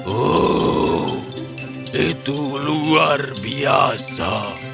oh itu luar biasa